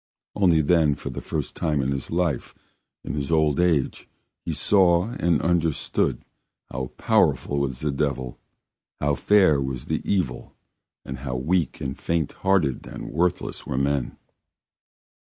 Only then for the first time in his life, in his old age, he saw and understood how powerful was the devil, how fair was evil and how weak and faint hearted and worthless were men.